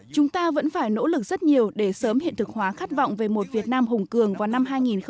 chúng ta vẫn phải nỗ lực rất nhiều để sớm hiện thực hóa khát vọng về một việt nam hùng cường vào năm hai nghìn năm mươi